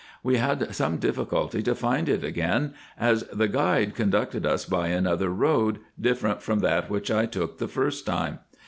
We had some difficulty to find it again, as the guide conducted us by another road, dif ferent from that which I took the first time.